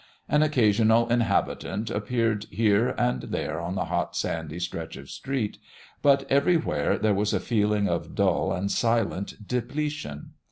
An occasional inhabitant appeared here and there on the hot, sandy stretch of street, but everywhere there was a feeling of dull and silent depletion.